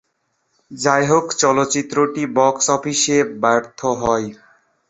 যাই হোক, চলচ্চিত্রটি বক্স অফিসে ব্যর্থ হয়।